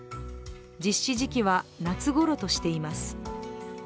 実施時期は夏ごろとしています。